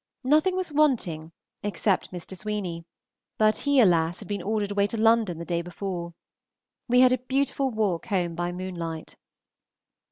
Nothing was wanting except Mr. Sweeney; but he, alas! had been ordered away to London the day before. We had a beautiful walk home by moonlight.